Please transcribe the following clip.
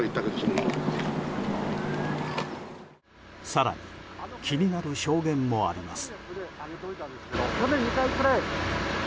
更に気になる証言もあります。